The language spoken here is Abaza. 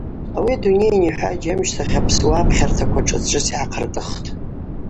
Ауи адуней анихӏваджь амщтахь апсуа апхьартаква шӏыц-шӏыц йгӏахъыртӏыхтӏ.